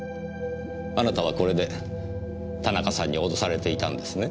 あなたはこれで田中さんに脅されていたんですね？